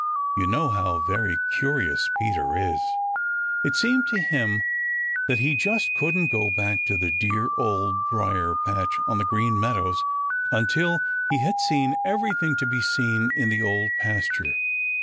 You know how very curious Peter is. It seemed to him that he just couldn't go back to the dear Old Briar patch on the Green Meadows until he had seen everything to be seen in the Old Pasture.